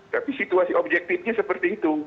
tapi situasi objektifnya seperti itu